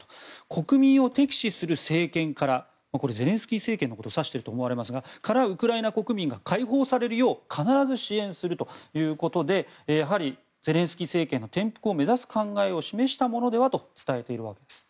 国民を敵視する政権からこれゼレンスキー政権のことを指していると思われますがウクライナ国民が解放されるよう必ず支援するということでやはり、ゼレンスキー政権の転覆を目指す考えを示したものではと伝えているわけです。